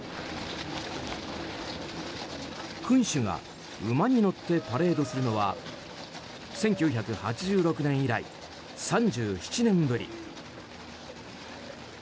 君主が馬に乗ってパレードするのは１９８６年以来３７年ぶり。